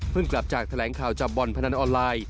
กลับจากแถลงข่าวจับบ่อนพนันออนไลน์